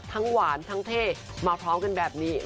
หวานทั้งเท่มาพร้อมกันแบบนี้